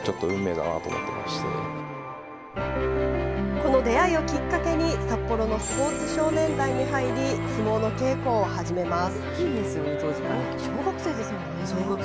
この出会いをきっかけに札幌のスポーツ少年団に入り相撲の稽古を始めます。